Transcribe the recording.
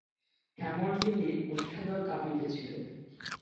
হেমনলিনীর ওষ্ঠাধর কাঁপিতেছিল।